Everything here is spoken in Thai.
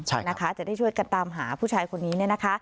จะได้ช่วยกันตามหาผู้ชายคนนี้